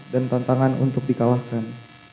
dan tantangan untuk dikalahkan